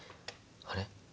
あれ？